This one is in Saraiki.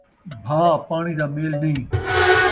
بھاء پاݨی دا میل نئیں